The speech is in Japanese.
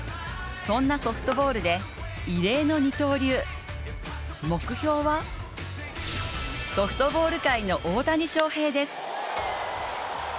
そんなソフトボールで異例の二刀流目標はソフトボール界の大谷翔平です。